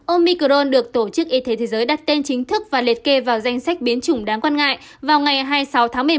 omicron được tổ chức y tế thế giới đặt tên chính thức và liệt kê vào danh sách biến chủng đáng quan ngại vào ngày hai mươi sáu tháng một mươi một